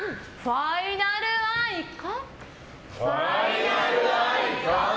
ファイナル愛花！